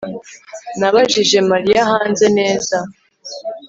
nabajije mariya hanze. neza